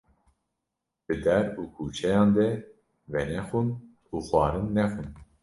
Li der û kuçeyan de venexwin û xwarin nexwin